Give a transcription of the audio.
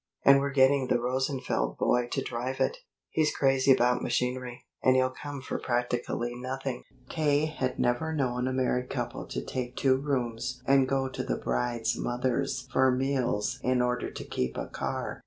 And we're getting the Rosenfeld boy to drive it. He's crazy about machinery, and he'll come for practically nothing." K. had never known a married couple to take two rooms and go to the bride's mother's for meals in order to keep a car.